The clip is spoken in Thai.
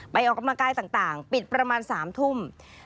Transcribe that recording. ไปออกมากล้ายต่างปิดประมาณ๓ทุ่ม